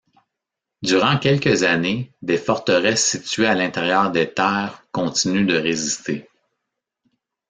Durant quelques années, des forteresses situées à l'intérieur des terres continuent de résister.